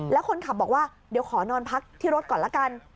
แล้วคนขับบอกว่าเดี๋ยวขอนอนพักที่รถก่อนละกัน